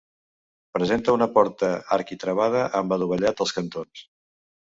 Presenta una porta arquitravada amb adovellat als cantons.